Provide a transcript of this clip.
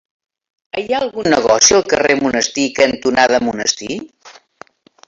Hi ha algun negoci al carrer Monestir cantonada Monestir?